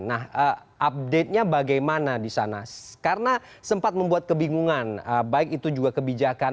nah update nya bagaimana di sana karena sempat membuat kebingungan baik itu juga kebijakan